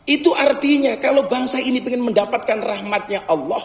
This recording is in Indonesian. itu artinya kalau bangsa ini ingin mendapatkan rahmatnya allah